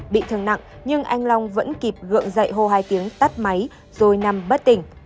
bị thương nặng nhưng anh long vẫn kịp gượng dậy hô hai tiếng tắt máy rồi nằm bất tỉnh